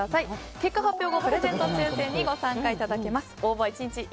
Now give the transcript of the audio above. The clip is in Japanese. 結果発表後プレゼント抽選にご参加いただけます。